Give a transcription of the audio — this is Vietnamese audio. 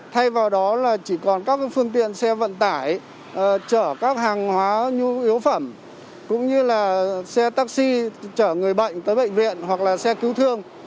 thay vào đó là chỉ còn các phương tiện xe vận tải chở các hàng hóa nhu yếu phẩm cũng như là xe taxi chở người bệnh tới bệnh viện hoặc là xe cứu thương